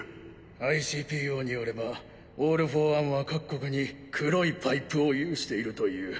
ＩＣＰＯによればオール・フォー・ワンは各国に黒いパイプを有しているという。